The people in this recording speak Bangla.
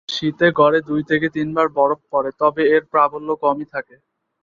শীতে গড়ে দুই থেকে তিনবার বরফ পড়ে, তবে এর প্রাবল্য কমই থাকে।